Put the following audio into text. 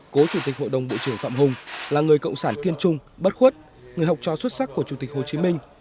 cố chủ tịch hội đồng bộ trưởng phạm hùng là người cộng sản kiên trung bất khuất người học trò xuất sắc của chủ tịch hồ chí minh